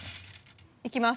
いきます。